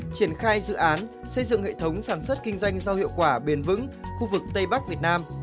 triển khai dự án xây dựng hệ thống sản xuất kinh doanh rau hiệu quả bền vững khu vực tây bắc việt nam